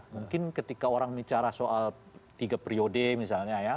mungkin ketika orang bicara soal tiga periode misalnya ya